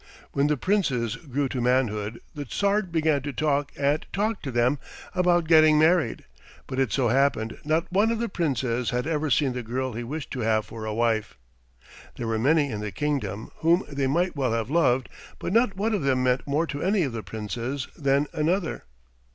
When the Princes grew to manhood the Tsar began to talk and talk to them about getting married, but it so happened not one of the Princes had ever seen the girl he wished to have for a wife. There were many in the kingdom whom they might well have loved, but not one of them meant more to any of the Princes than another.